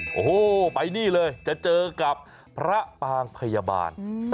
โอ้โหไปนี่เลยจะเจอกับพระปางพยาบาล